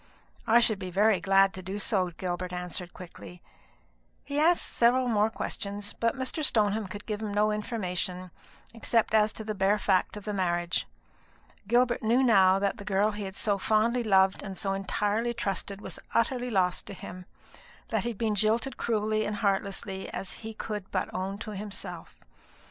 "I should be very glad to do so," Gilbert answered quickly. He asked several more questions; but Mr. Stoneham could give him no information, except as to the bare fact of the marriage. Gilbert knew now that the girl he had so fondly loved and so entirely trusted was utterly lost to him; that he had been jilted cruelly and heartlessly, as he could but own to himself.